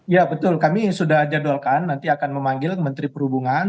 ya betul kami sudah jadwalkan nanti akan memanggil menteri perhubungan